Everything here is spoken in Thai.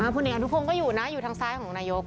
ผลเอกอนุพงศ์ก็อยู่นะอยู่ทางซ้ายของนายก